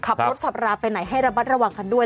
ขับรถขับราไปไหนให้ระมัดระวังกันด้วย